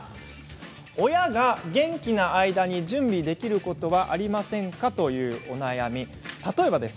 親が元気な間に準備できることはありませんか、というお悩みです。